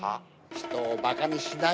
人をバカにしない。